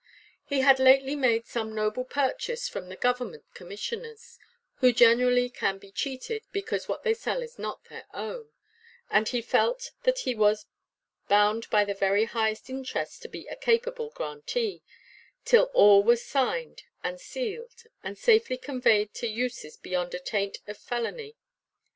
He had lately made some noble purchase from the Government Commissioners—who generally can be cheated, because what they sell is not their own—and he felt that he was bound by the very highest interests to be a capable grantee, till all was signed, and sealed, and safely conveyed to uses beyond attaint of felony.